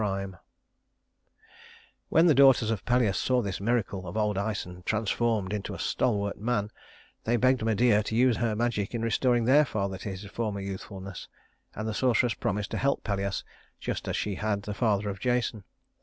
[Illustration: Medea] When the daughters of Pelias saw this miracle of old Æson transformed into a stalwart man, they begged Medea to use her magic in restoring their father to his former youthfulness; and the sorceress promised to help Pelias just as she had the father of Jason.